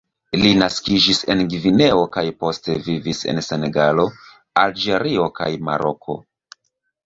Li naskiĝis en Gvineo kaj poste vivis en Senegalo, Alĝerio kaj Maroko.